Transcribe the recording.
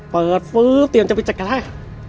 ฟื้อเตรียมจะไปจัดการให้